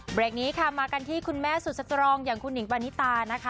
เบรกนี้ค่ะมากันที่คุณแม่สุดสตรองอย่างคุณหิงปานิตานะคะ